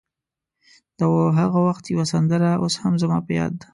د هغه وخت یوه سندره اوس هم زما په یاد ده.